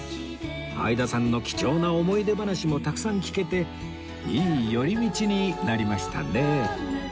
相田さんの貴重な思い出話もたくさん聞けていい寄り道になりましたね